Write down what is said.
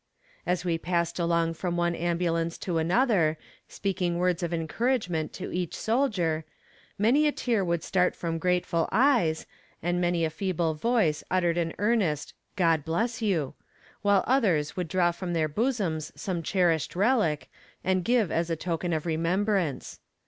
As we passed along from one ambulance to another, speaking words of encouragement to each soldier, many a tear would start from grateful eyes, and many a feeble voice uttered an earnest "God bless you," while others would draw from their bosoms some cherished relic, and give as a token of remembrance.